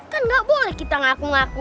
kan nggak boleh kita ngaku ngaku